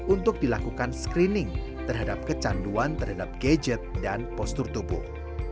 untuk dilakukan screening terhadap kecanduan terhadap gadget dan postur tubuh